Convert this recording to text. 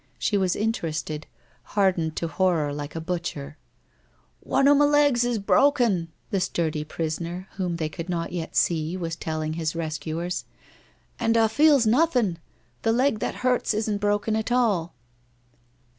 She was interested, hardened to horror like a butcher. ...* One o' ma legs is brokken,' the sturdy prisoner, whom they could not yet see, was telling his rescuers. ' And A* feels naw thing. The leg that hurts isn't broken at all